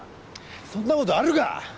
そんな事あるか！